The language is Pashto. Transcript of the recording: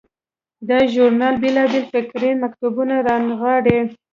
دا ژورنال بیلابیل فکري مکتبونه رانغاړي.